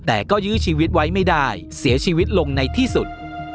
แต่ก็ยื้อชีวิตไว้ไม่ได้เสียชีวิตลงในที่สุด